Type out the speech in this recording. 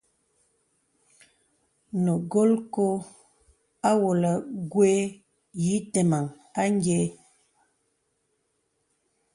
Nə̀ golkō awōlə̀ gwe yǐtə̄meŋ a nyēē.